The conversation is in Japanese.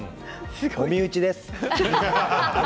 お身内です。